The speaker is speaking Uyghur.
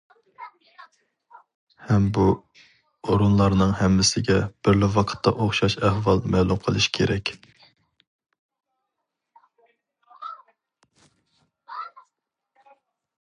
ھەم بۇ ئورۇنلارنىڭ ھەممىسىگە بىرلا ۋاقىتتا ئوخشاش ئەھۋال مەلۇم قىلىش كېرەك.